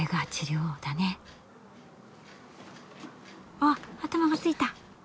あ頭がついた！